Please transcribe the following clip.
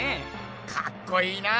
かっこいいな！